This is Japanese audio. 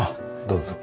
どうぞ。